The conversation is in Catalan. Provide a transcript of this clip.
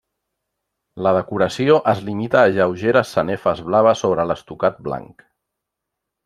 La decoració es limita a lleugeres sanefes blaves sobre l'estucat blanc.